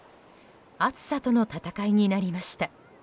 暑さとの戦いになりました。